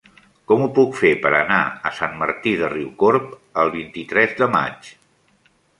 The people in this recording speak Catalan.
Com ho puc fer per anar a Sant Martí de Riucorb el vint-i-tres de maig?